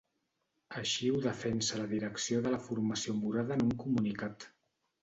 Així ho defensa la direcció de la formació morada en un comunicat.